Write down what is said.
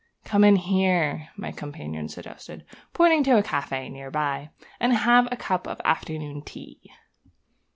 'Come in here,' my companion suggested, pointing to a café near by, 'and have a cup of afternoon tea.'